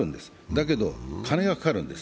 だけど、金がかかるんです。